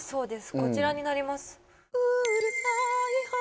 こちらになります